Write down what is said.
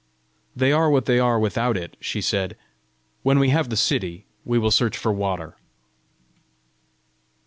"They are what they are without it!" she said: "when we have the city, we will search for water!"